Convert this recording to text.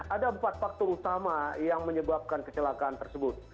ada empat faktor utama yang menyebabkan kecelakaan tersebut